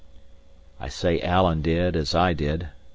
I say Alan did as I did.